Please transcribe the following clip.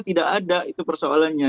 tidak ada itu persoalannya